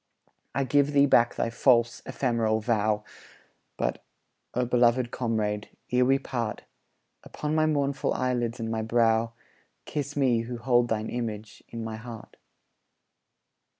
I give thee back thy false, ephemeral vow; But, O beloved comrade, ere we part, Upon my mournful eyelids and my brow Kiss me who hold thine image in my heart.